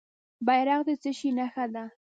بیرغ د څه شي نښه ده؟